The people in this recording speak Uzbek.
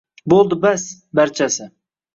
Bo’ldi, bas, barchasi